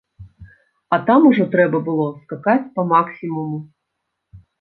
А там ужо трэба было скакаць па-максімуму.